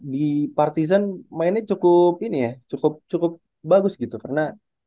di partisan mainnya cukup ini ya cukup bagus gitu karena